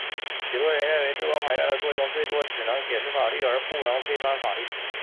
许多人认为最高法院的作用最多只能解释法律而不能推翻法律。